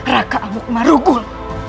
raka amuk marugul